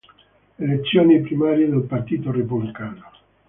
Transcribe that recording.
Elezioni primarie del Partito Repubblicano